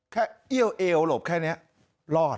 แค่เอี้ยวเอ๋วหลบแค่เนี้ยรอด